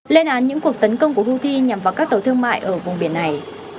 lên án những cuộc tấn công của houthi nhằm vào các tàu thương mại ở vùng biển này